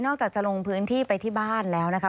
จากจะลงพื้นที่ไปที่บ้านแล้วนะคะ